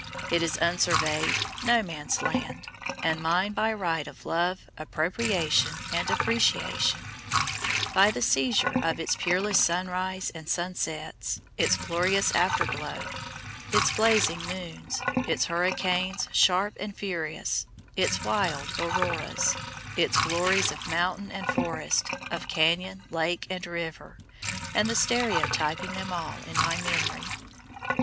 It is unsurveyed, "no man's land," and mine by right of love, appropriation, and appreciation; by the seizure of its peerless sunrises and sunsets, its glorious afterglow, its blazing noons, its hurricanes sharp and furious, its wild auroras, its glories of mountain and forest, of canyon, lake, and river, and the stereotyping them all in my memory.